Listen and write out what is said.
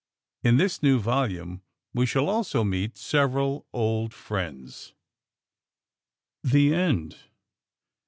In this new volume we shall also meet several old friends. The End.